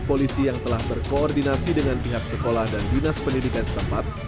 polisi yang telah berkoordinasi dengan pihak sekolah dan dinas pendidikan setempat